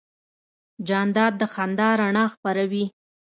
جانداد د خندا رڼا خپروي.